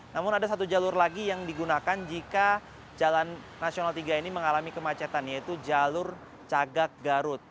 namun ada satu jalur lagi yang digunakan jika jalan nasional tiga ini mengalami kemacetan yaitu jalur cagak garut